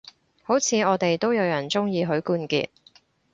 好似我哋都有人鍾意許冠傑